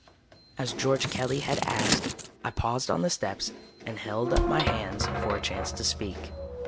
As George Kelly had asked, I paused on the steps and held up my hands for a chance to speak.